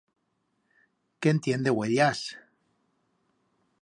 Que en tien de uellas!